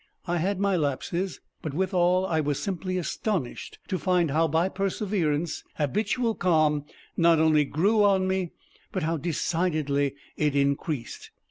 I had my lapses, but withal I was simply astonished to find how, by perseverance, habitual calm not only grew on me, but how decidedly it increased.